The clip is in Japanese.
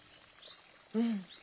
うん。